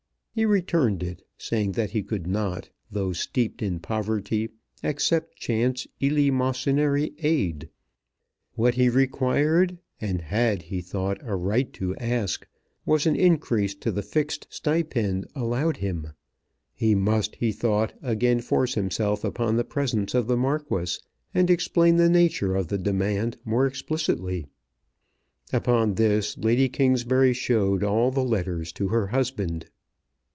He returned it, saying that he could not, though steeped in poverty, accept chance eleemosynary aid. What he required. and had he thought a right to ask, was an increase to the fixed stipend allowed him. He must, he thought, again force himself upon the presence of the Marquis, and explain the nature of the demand more explicitly. Upon this Lady Kingsbury showed all the letters to her husband.